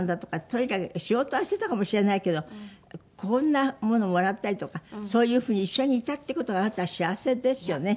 とにかく仕事はしていたかもしれないけどこんなものをもらったりとかそういうふうに一緒にいたっていう事があなたは幸せですよね。